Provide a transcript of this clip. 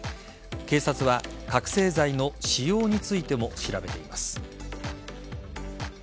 警察は覚醒剤の使用についても調べています。